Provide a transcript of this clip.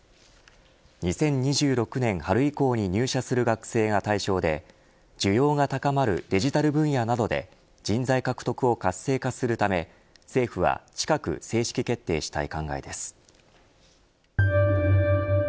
２０２６年春以降に入社する学生が対象で需要が高まるデジタル分野などで人材獲得を活性化するため政府は近く正式決定したい考えです。